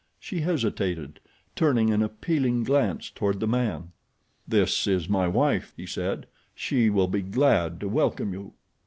She hesitated, turning an appealing glance toward the man. "This is my wife," he said. "She will be glad to welcome you."